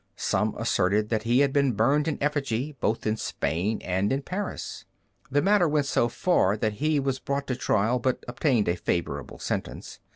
Some asserted that he had been burned in effigy both in Spain and in Paris. The matter went so far that he was brought to trial, but obtained a favorable sentence.